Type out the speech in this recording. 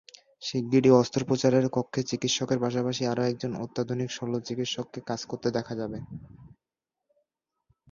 শিগগিরই অস্ত্রোপচারের কক্ষে চিকিৎসকের পাশাপাশি আরও একজন অত্যাধুনিক শল্যচিকিৎসককে কাজ করতে দেখা যাবে।